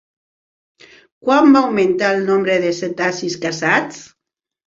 Quan va augmentar el nombre de cetacis caçats?